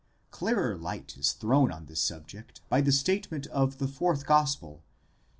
Clearer light is thrown on this subject by the statement of the fourth gospel (xii.